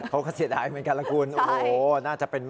เขาก็เสียดายเหมือนกันละคุณ